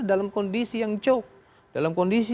dalam kondisi yang joke dalam kondisi